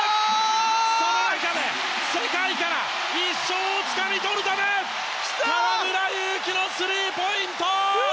その中で、世界から１勝をつかみ取るため河村勇輝のスリーポイント！